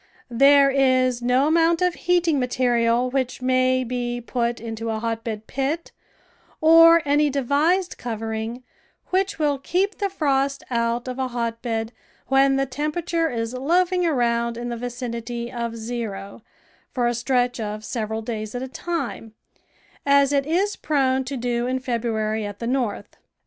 There is no amount of heating material which may be put into a hotbed pit, or any devised covering which will keep the frost out of a hotbed when the tempera ture is loafing around in the vicinity of zero for a stretch of several days at a time, as it is prone to do in February at the North.